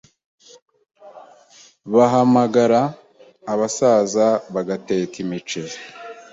bagahamagara abasaza bagateka imiceri